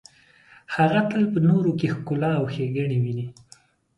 هغه تل په نورو کې ښکلا او ښیګڼې ویني.